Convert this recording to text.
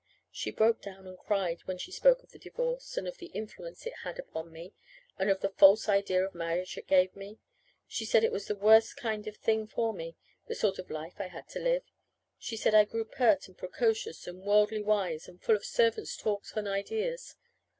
She broke down and cried when she spoke of the divorce, and of the influence it had upon me, and of the false idea of marriage it gave me. She said it was the worst kind of thing for me the sort of life I had to live. She said I grew pert and precocious and worldly wise, and full of servants' talk and ideas.